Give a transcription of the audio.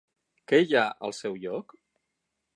Què hi ha al seu lloc?